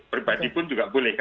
berbadi pun juga boleh